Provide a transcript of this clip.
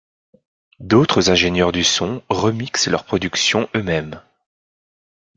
D'autres ingénieurs du son remixent leurs productions eux-mêmes.